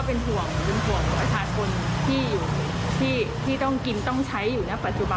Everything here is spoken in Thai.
โปรวิด๑๙กี่ปีแล้วล่ะ